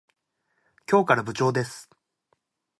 今日から部長です。